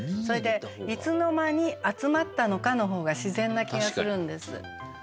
それで「いつの間に集まったのか」の方が自然な気がするんです。